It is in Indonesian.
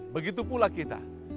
begitu pula kita